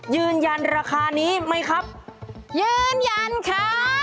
ยืนยันราคานี้ไหมครับยืนยันค่ะ